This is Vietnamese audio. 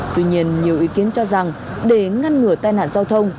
tuy nhiên nhiều ý kiến cho rằng để ngăn ngừa tai nạn giao thông